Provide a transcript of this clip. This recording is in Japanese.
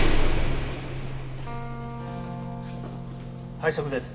配食です。